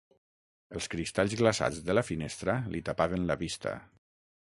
Els cristalls glaçats de la finestra li tapaven la vista